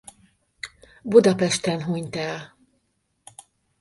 Budapesten hunyt el.